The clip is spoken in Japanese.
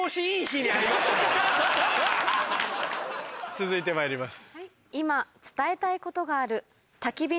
続いてまいります。